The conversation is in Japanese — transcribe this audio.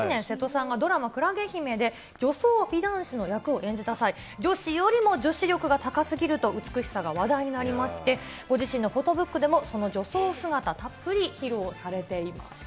こちら、２０１７年、瀬戸さんがドラマ、海月姫で女装美男子の役を演じた際、女子よりも女子力が高すぎると、美しさが話題になりまして、ご自身のフォトブックでも、その女性姿、たっぷり披露されています。